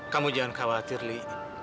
kamu jangan khawatir li